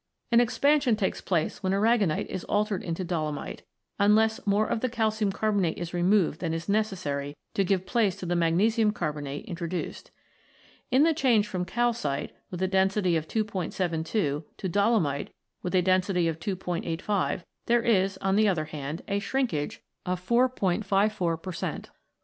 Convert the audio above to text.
An expansion takes place when aragonite is altered into dolomite, unless more of the calcium carbonate is removed than is necessary to give place to the magnesium carbonate introduced. In the change from calcite, with a density of 272, to dolomite, with a density of 2 '85, there is, on the other hand, a shrinkage of 4*54 per cent.